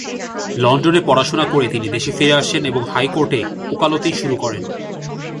লন্ডনে পড়াশোনা করে তিনি দেশে ফিরে আসেন এবং হাইকোর্টে ওকালতি শুরু করেন।